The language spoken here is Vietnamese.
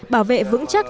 bảo vệ vững chắc